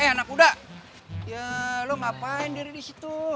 eh anak kuda ya lo ngapain dari di situ